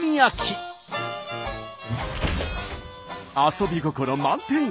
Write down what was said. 遊び心満点！